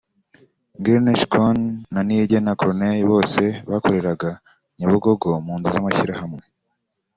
Ngirente Schon na Niyigena Corneille bose bakoreraga Nyabugogo mu nzu z’amashyirahamwe